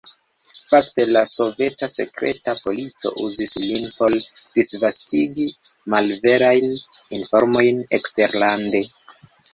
Fakte la soveta sekreta polico uzis lin por disvastigi malverajn informojn eksterlande.